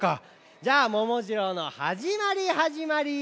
じゃあ「ももじろう」のはじまりはじまり。